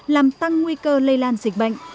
làm tăng nguy cơ lây lan dịch bệnh